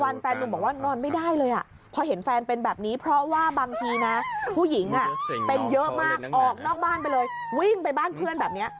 เยอะมากออกนอกบ้านไปเลยวิ่งไปบ้านเพื่อนแบบนี้